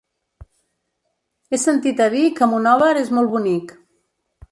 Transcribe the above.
He sentit a dir que Monòver és molt bonic.